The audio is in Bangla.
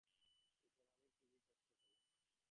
নিসার আলির খুবই কষ্ট হল।